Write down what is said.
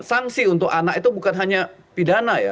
sanksi untuk anak itu bukan hanya pidana ya